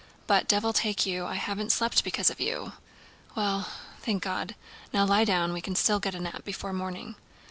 "But, devil take you, I haven't slept because of you! Well, thank God. Now lie down. We can still get a nap before morning."